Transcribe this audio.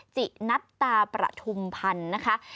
จินัตตาประทุมพันธ์นะคะ